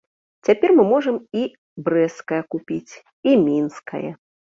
Цяпер мы можам і брэсцкае купіць, і мінскае.